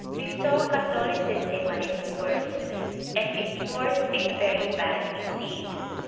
We saw Catholicism at its worst, and its worst is very bad indeed.